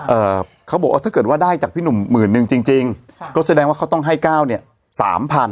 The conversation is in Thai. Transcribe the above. เอ่อเขาบอกว่าถ้าเกิดว่าได้จากพี่หนุ่มหมื่นนึงจริงจริงค่ะก็แสดงว่าเขาต้องให้เก้าเนี้ยสามพัน